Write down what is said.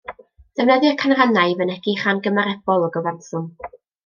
Defnyddir canrannau i fynegi rhan gymarebol o gyfanswm.